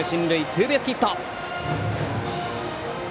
ツーベースヒット。